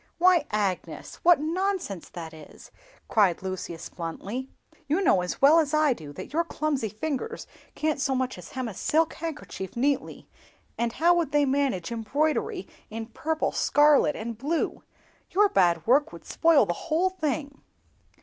"Why, Agnes, what nonsense that is!" cried Lucius, bluntly; "you know, as well as I do, that your clumsy fingers can't so much as hem a silk handkerchief neatly, and how would they manage embroidery in purple, scarlet, and blue? Your bad work would spoil the whole thing."